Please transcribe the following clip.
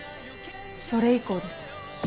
それ以降です。